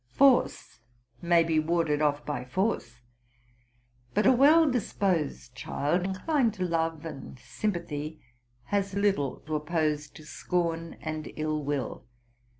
Foree may be warded off by force; but a well disposed child, inclined to love and sympathy, has little to oppose to scorn and ill will.